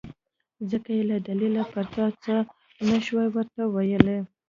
ځکه يې له دليله پرته څه نه شوای ورته ويلی.